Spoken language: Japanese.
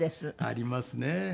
ありますね。